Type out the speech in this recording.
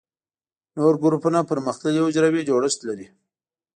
نور ګروپونه پرمختللي حجروي جوړښت لري.